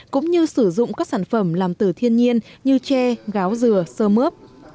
cũng như sử dụng các sản phẩm làm từ thiên nhiên như tre gáo dừa sơ mướp